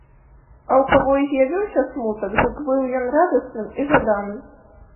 А ў каго і з'явіўся смутак, дык быў ён радасным і жаданым.